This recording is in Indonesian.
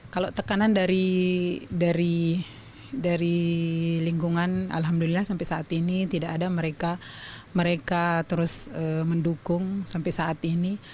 kalau tekanan dari lingkungan alhamdulillah sampai saat ini tidak ada mereka terus mendukung sampai saat ini